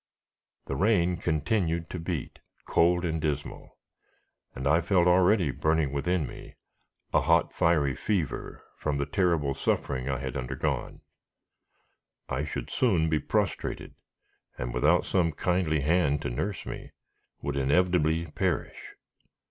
The rain continued to beat, cold and dismal, and I felt already burning within me a hot, fiery fever, from the terrible suffering I had undergone. I should soon be prostrated, and without some kindly hand to nurse me, would inevitably perish.